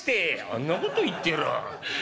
「あんなこと言ってらあ」。